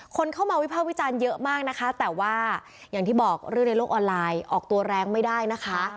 คนเข้ามาวิภาควิจารณ์เยอะมากนะคะแต่ว่าอย่างที่บอกเรื่องในโลกออนไลน์ออกตัวแรงไม่ได้นะคะ